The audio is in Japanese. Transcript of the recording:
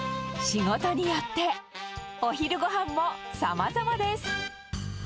仕事によって、お昼ごはんもさまざまです。